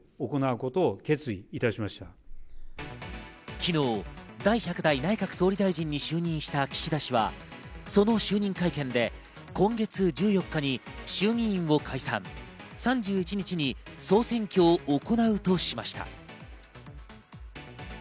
昨日、第１００代内閣総理大臣に就任した岸田氏はその就任会見で、今月１４日に衆議院を解散、３１日に総選挙を行うとしました。